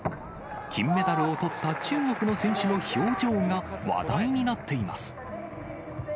金メダルをとった中国の選手の表情が話題になっています。